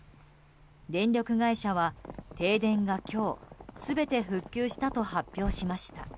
電力会社は停電が今日全て復旧したと発表しました。